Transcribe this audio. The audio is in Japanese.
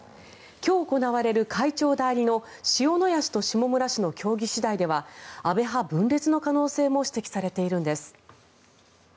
今日行われる会長代理の塩谷氏と下村氏の協議次第では安倍派分裂の可能性も指摘されているんです。